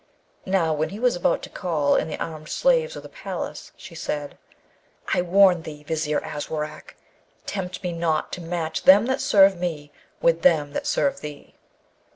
Now when he was about to call in the armed slaves of the palace, she said, 'I warn thee, Vizier Aswarak! tempt me not to match them that serve me with them that serve thee.'